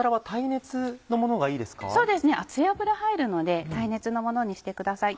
熱い油入るので耐熱のものにしてください。